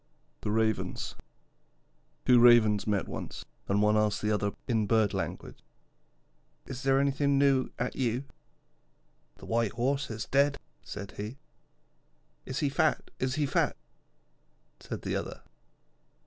THE RAVENS Two Ravens met once, and one asked the other in Bird language: 'Is there nothing new at you?' 'The white Horse is dead,' said he. 'Is he fat? Is he fat?' said the other.